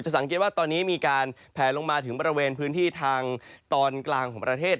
สังเกตว่าตอนนี้มีการแผลลงมาถึงบริเวณพื้นที่ทางตอนกลางของประเทศ